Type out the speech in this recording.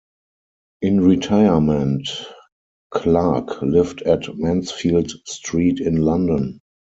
In retirement Clarke lived at Mansfield Street in London.